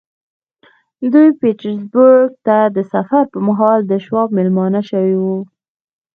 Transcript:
دوی پيټرزبورګ ته د سفر پر مهال د شواب مېلمانه شوي وو.